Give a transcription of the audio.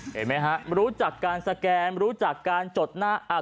เห็นไหมฮะรู้จักการสแกนรู้จักการจดหน้าอัด